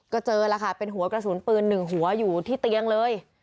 ก็เจอแล้วค่ะเป็นหัวกระสุนปืนหนึ่งหัวอยู่ที่เตียงเลย